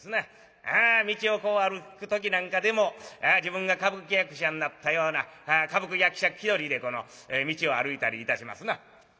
ああ道をこう歩く時なんかでも自分が歌舞伎役者になったような歌舞伎役者気取りでこの道を歩いたりいたしますな。